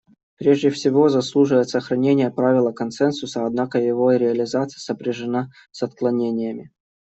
Прежде всего заслуживает сохранения правило консенсуса, однако его реализация сопряжена с отклонениями.